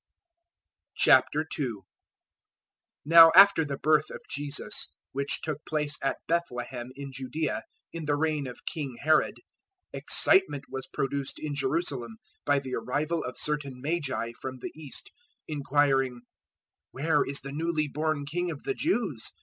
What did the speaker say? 002:001 Now after the birth of Jesus, which took place at Bethlehem in Judaea in the reign of King Herod, excitement was produced in Jerusalem by the arrival of certain Magi from the east, 002:002 inquiring, "Where is the newly born king of the Jews?